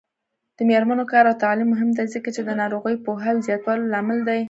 د میرمنو کار او تعلیم مهم دی ځکه چې ناروغیو پوهاوي زیاتولو لامل دی.